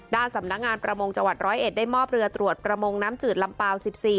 ด้านสำนักงานประมงจังหวัด๑๐๑ได้มอบเรือตรวจประมงน้ำจืดลำเปล่า๑๔